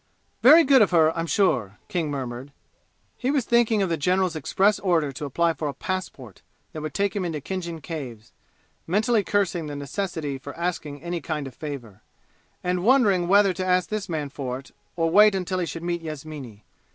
"Very good of her; I'm sure," King murmured. He was thinking of the general's express order to apply for a "passport" that would take him into Khinjan Caves mentally cursing the necessity for asking any kind of favor, and wondering whether to ask this man for it or wait until he should meet Yasmini.